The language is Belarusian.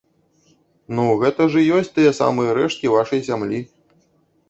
Ну, гэта ж і ёсць тыя самыя рэшткі вашай зямлі.